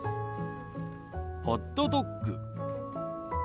ホットドッグ。